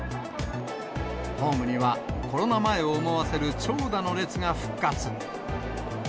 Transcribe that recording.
ホームには、コロナ前を思わせる長蛇の列が復活。